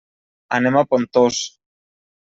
Anem a Pontós.